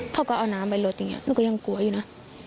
เขาก็เอาน้ำไปลดอย่างนี้หนูก็ยังกลัวอยู่นะ